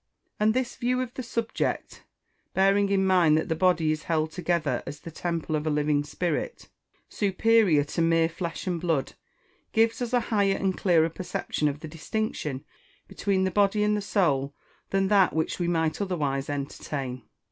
And this view of the subject, bearing in mind that the body is held together as the temple of a living Spirit, superior to mere flesh and blood, gives us a higher and clearer perception of the distinction between the body and the soul than that which we might otherwise entertain.